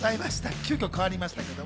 急きょ変わりました。